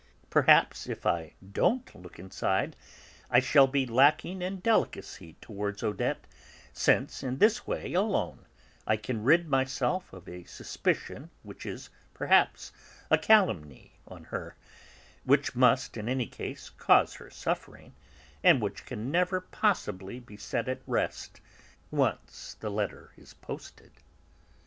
Perhaps, if I don't look inside, I shall be lacking in delicacy towards Odette, since in this way alone I can rid myself of a suspicion which is, perhaps, a calumny on her, which must, in any case, cause her suffering, and which can never possibly be set at rest, once the letter is posted."